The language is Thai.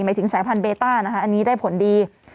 หมายถึงสายพันธุเบต้านะคะอันนี้ได้ผลดี